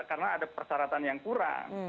karena ada persyaratan yang kurang